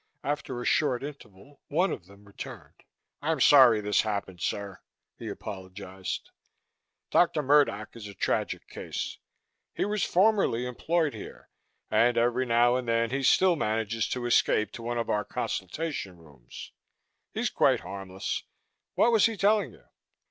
After a short interval one of them returned. "I'm sorry this happened, sir," he apologized. "Dr. Murdoch is a tragic case. He was formerly employed here and every now and then he still manages to escape to one of our consultation rooms. He's quite harmless. What was he telling you?"